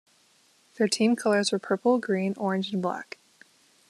Their team colours were purple, green, orange and black.